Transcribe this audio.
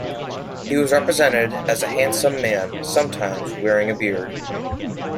He was represented as a handsome man, sometimes wearing a beard.